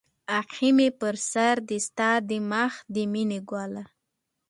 اىښى مې پر سر دى ستا د مخ د مينې گل